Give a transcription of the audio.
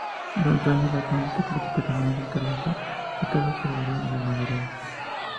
Durante años la crónica política semanal estuvo a cargo de Salvador de Madariaga.